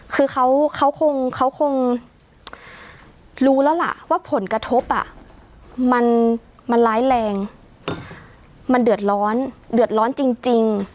คือเขาคงรู้แล้วล่ะว่าผลกระทบมันร้ายแรงมันเดือดร้อนเดือดร้อนจริง